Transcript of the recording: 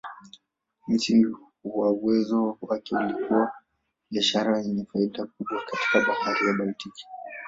Msingi wa uwezo wake ulikuwa biashara yenye faida kubwa katika Bahari ya Baltiki.